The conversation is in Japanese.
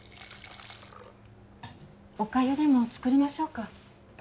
おかゆでも作りましょうか？